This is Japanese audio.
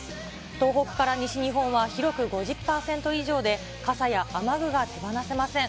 東北から西日本は広く５０％以上で、傘や雨具が手放せません。